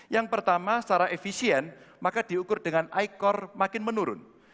yang pertama secara efisien maka diukur dengan ikore makin menurun